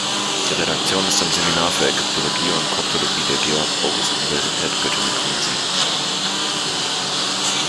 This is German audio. Die Redaktion ist am Seminar für Ägyptologie und Koptologie der Georg-August-Universität Göttingen angesiedelt.